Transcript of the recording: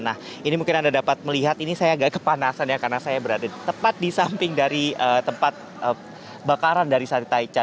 nah ini mungkin anda dapat melihat ini saya agak kepanasan ya karena saya berada tepat di samping dari tempat bakaran dari sari taichan